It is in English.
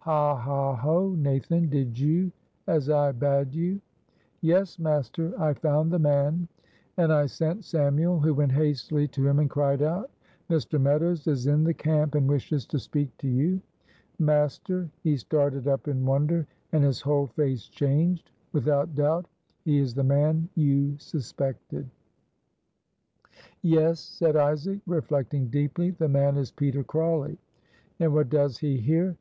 Ha! ha! ho! Nathan, did you as I bade you?" "Yes, master, I found the man, and I sent Samuel, who went hastily to him and cried out, 'Mr. Meadows is in the camp and wishes to speak to you.' Master, he started up in wonder, and his whole face changed; without doubt he is the man you suspected." "Yes," said Isaac, reflecting deeply. "The man is Peter Crawley; and what does he here?